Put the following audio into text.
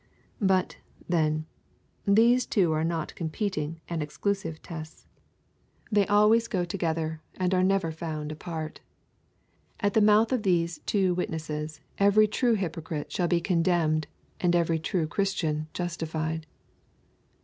But, then, these two are not competing and exclusive tests; they always go together and are never found apart. And at the mouth of these two witnesses every true hypocrite shall be condemned and every true Christian justified.